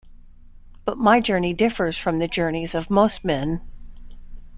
But my journey differs from the journeys of most men.